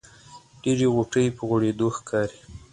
ډېرې غوټۍ په غوړېدو ښکاري.